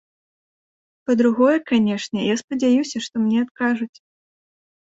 Па-другое, канешне, я спадзяюся, што мне адкажуць.